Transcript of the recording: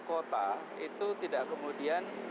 kota itu tidak kemudian